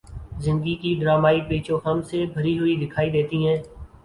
ان کی زندگی ڈرامائی پیچ و خم سے بھری ہوئی دکھائی دیتی ہے